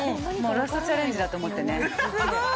ラストチャレンジだと思ってね。